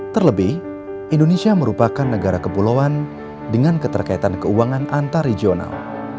terlebih indonesia merupakan negara kepulauan dengan keterkaitan keuangan antar regional